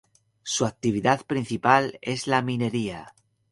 Su actividad principal es la minería.